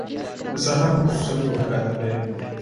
د سهار لمونځ څلور رکعته دی.